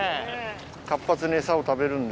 ・活発にエサを食べるんで。